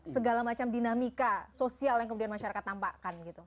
segala macam dinamika sosial yang kemudian masyarakat tampakkan gitu